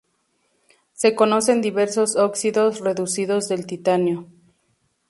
Se conocen diversos óxidos reducidos del titanio.